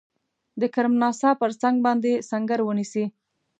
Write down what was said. د کرم ناسا پر څنګ باندي سنګر ونیسي.